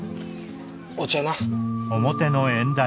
お茶な。